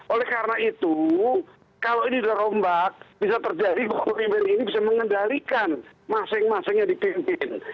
oleh karena itu kalau ini dirombak bisa terjadi bahwa pemimpin ini bisa mengendalikan masing masing yang dipimpin